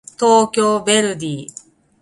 東京ヴェルディ